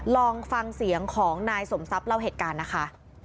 ลองฟังเสียงของนายสมทรัพย์เล่าเหตุการณ์นะคะ